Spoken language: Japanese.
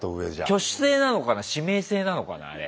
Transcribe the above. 挙手制なのかな指名制なのかなあれ。